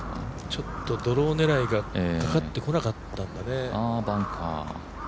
ちょっとドロー狙いが、かかってこなかったんだね。